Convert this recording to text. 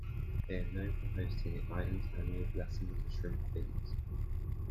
They are known for hosting the island's annual Blessing of the Shrimp Fleet.